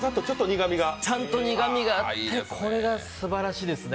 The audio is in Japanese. ちゃんと苦みがあってこれが本当にすばらしいですね。